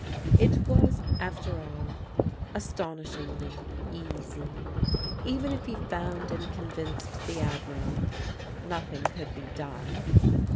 It was, after all, astonishingly easy. Even if he found and convinced the Admiral, nothing could be done.